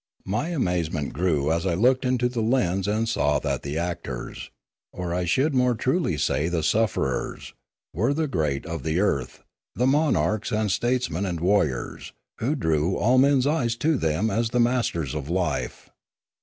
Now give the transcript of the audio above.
My amazement grew, as I looked into the lens and saw that the actors, or I should more truly say the sufferers, were the great of the earth, the monarchs and states men and warriors, who drew all men's eyes to them as the masters of life.